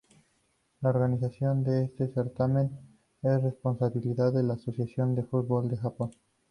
La organización de este certamen es responsabilidad de la Asociación de Fútbol de Japón.